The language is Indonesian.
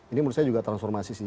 ini menurut saya juga transformasi sih